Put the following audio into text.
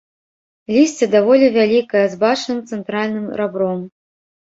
Лісце даволі вялікае, з бачным цэнтральным рабром.